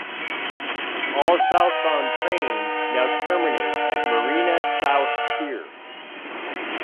All southbound trains now terminate at Marina South Pier.